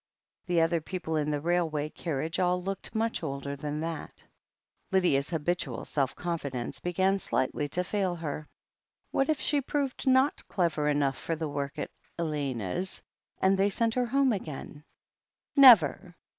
The other people. in the railway carriage all looked much older than that. '• Lydia's habitual self confidence began slightly to fail her. What if she proved not clever enough for the work at "Elena's," and they sent her home again? Never!